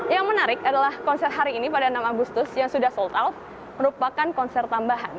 yang menarik adalah konser hari ini pada enam agustus yang sudah sold out merupakan konser tambahan